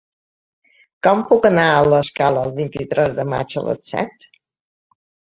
Com puc anar a l'Escala el vint-i-tres de maig a les set?